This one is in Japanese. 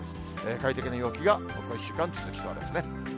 快適な陽気が、ここ１週間、続きそうですね。